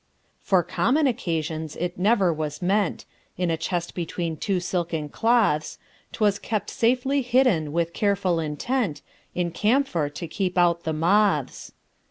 For common occasions it never was meant: In a chest between two silken cloths 'Twas kept safely hidden with careful intent In camphor to keep out the moths.